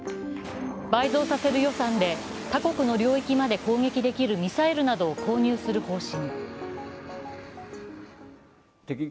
倍増させる予算で他国の領域まで攻撃できるミサイルなどを購入する方針。